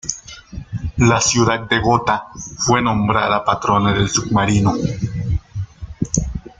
La ciudad de Gotha fue nombrada patrona del submarino.